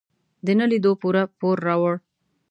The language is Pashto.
د نه لیدو پوره پور راوړ.